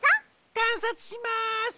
かんさつします。